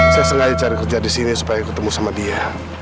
saya sengaja cari kerja disini supaya ketemu sama dia